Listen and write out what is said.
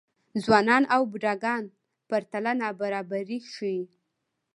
ځوانان او بوډاګان پرتله نابرابري ښيي.